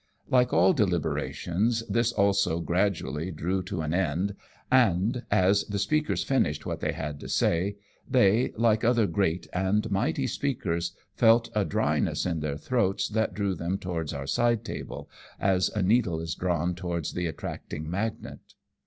Like all deliberations, this also gradually drew to an ANOTHER VISIT TO CAREERO'S. 187 end, and, as the speakers finished what they had to say, they, like other great and mighty speakers, felt a dryness in their throats that drew them towards our side table, as a needle is drawn towards the attracting magnet.